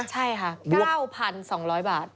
ใช่ค่ะ๙๒๐๐บาท